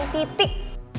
bakal terus berjalan titik